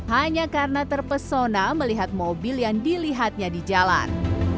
hanya karena terpesona melihat mobil yang dilihatnya di jalan